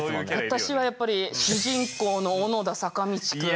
私はやっぱり主人公の小野田坂道くん。